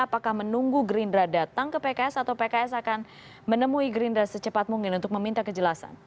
apakah menunggu gerindra datang ke pks atau pks akan menemui gerindra secepat mungkin untuk meminta kejelasan